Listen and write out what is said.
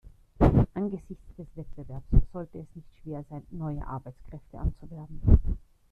Angesichts des Wettbewerbs sollte es nicht schwer sein, neue Arbeitskräfte anzuwerben.